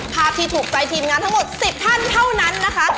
ภาพที่ถูกใจทีมงานทั้งหมด๑๐ท่านเท่านั้นนะคะ